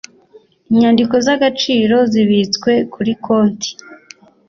inyandiko z agaciro zibitswe kuri konti